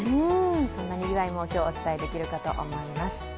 そんなにぎわいも今日、お伝えできるかと思います。